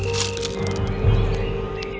kepala kuil suci